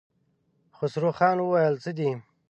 خسرو خان وويل: څه دي؟